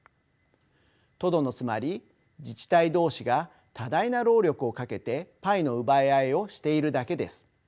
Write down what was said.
とどのつまり自治体同士が多大な労力をかけてパイの奪い合いをしているだけです。